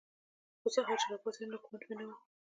خو سحر چې راپاسېدم نو کمنټ مې نۀ وۀ